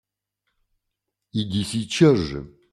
Иди сейчас же!